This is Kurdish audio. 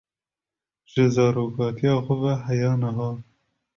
Ji zaroktiya xwe ve heya niha.